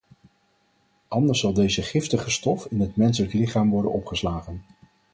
Anders zal deze giftige stof in het menselijk lichaam worden opgeslagen.